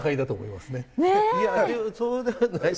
いやそうではない。